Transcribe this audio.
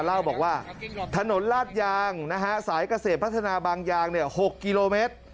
เล่าบอกว่าถนนลาดยางสายเกษตรพัฒนาบางยาง๖กิโลเมตร